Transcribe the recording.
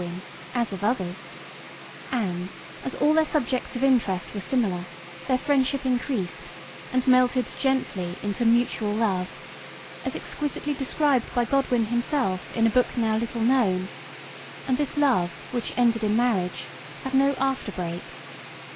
win, as of others, and, as all their subjects of interest were similar, their friendship increased, and melted gently into mutual love, as exquisitely described by Godwin himself in a book now little known ; and this love, which ended in marriage, had no after break.